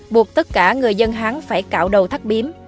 buộc tất cả người dân hán phải cạo đầu thắt biếm